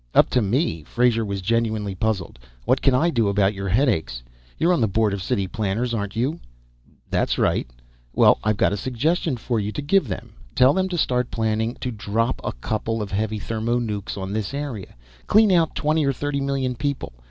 "Up to me?" Frazer was genuinely puzzled. "What can I do about your headaches?" "You're on the Board of City Planners, aren't you?" "That's right." "Well, I've got a suggestion for you to give to them. Tell them to start planning to drop a couple of heavy thermo nucs on this area. Clean out twenty or thirty million people.